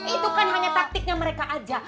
itu kan hanya taktiknya mereka aja